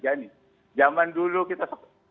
jadi zaman dulu kita